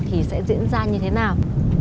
thì sẽ diễn ra như thế nào